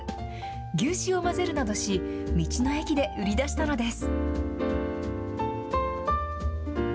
牛脂を混ぜるなどし、道の駅で売り出したのです。